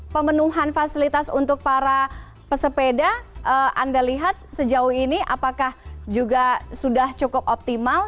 pemenuhan fasilitas untuk para pesepeda anda lihat sejauh ini apakah juga sudah cukup optimal